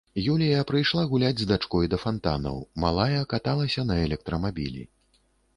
Юлія прыйшла гуляць з дачкой да фантанаў, малая каталася на электрамабілі.